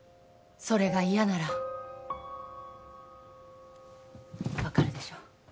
それが嫌なら分かるでしょ？